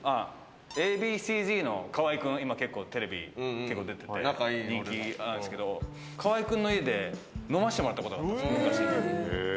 Ａ．Ｂ．Ｃ−Ｚの河合君、今結構テレビ出てて人気なんですけど、河合君の家で飲ましてもらったことがあったんですよ、昔。